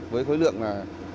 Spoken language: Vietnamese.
với khối lượng là